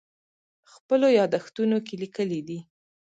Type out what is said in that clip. خپلو یادښتونو کې لیکلي دي.